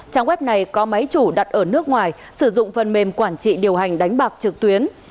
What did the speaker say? trang web này có máy chủ đặt ở nước ngoài sử dụng phần mềm quản trị điều hành đánh bạc trực tuyến